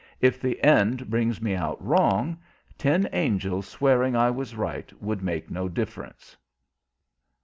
If the end brings me out wrong, ten angels swearing I was right would make no difference."